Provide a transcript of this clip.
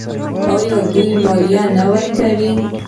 آیا دوی مالیه نه ورکوي؟